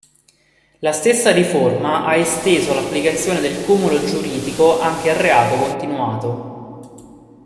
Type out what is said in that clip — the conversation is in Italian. La stessa riforma ha esteso l'applicazione del cumulo giuridico anche al reato continuato.